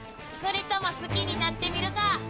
それとも好きになってみるか？